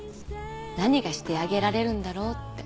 何がしてあげられるんだろうって。